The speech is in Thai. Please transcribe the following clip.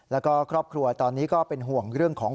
แล้วก็ครอบครัวตอนนี้ก็เป็นห่วงเรื่องของ